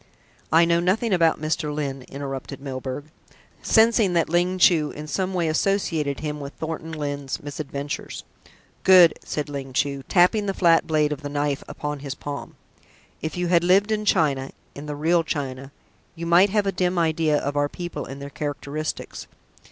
"I know nothing about Mr. Lyne," interrupted Milburgh, sensing that Ling Chu in some way associated him with Thornton Lyne's misadventures. "Good!" said Ling Chu, tapping the flat blade of his knife upon his palm. "If you had lived in China in the real China you might have a dim idea of our people and their characteristics.